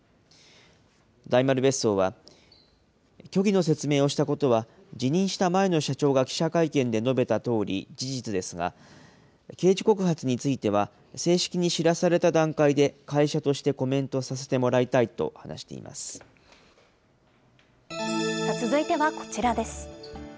大丸別荘は、虚偽の説明をしたことは、辞任した前の社長が記者会見で述べたとおり事実ですが、刑事告発については正式に知らされた段階で会社としてコメントさ続いてはこちらです。